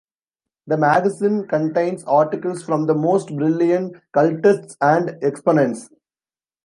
The magazine contains articles from the most brilliant cultists and exponents.